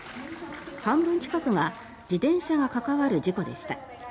半分近くが自転車が関わる事故でした。